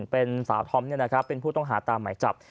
เป็นสาวธอมเป็นผู้ต้องหาตามหมายจับ